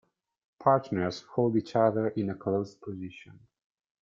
Partners hold each other in a closed position.